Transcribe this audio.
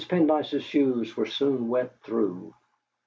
Pendyce's shoes were soon wet through.